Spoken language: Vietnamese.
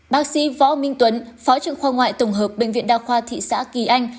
bác sĩ võ minh tuấn phó trưởng khoa ngoại tổng hợp bệnh viện đa khoa thị xã kỳ anh